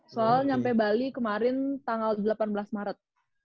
soal nyampe bali kemarin tanggal delapan belas maret